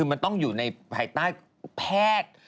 คือมันต้องอยู่ในภายใต้แพทย์